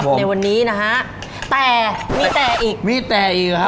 ครับผมในวันนี้นะฮะแต่มีแต่อีกมีแต่อีกหรอครับ